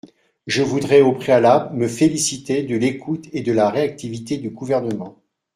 Je voudrais au préalable me féliciter de l’écoute et de la réactivité du Gouvernement.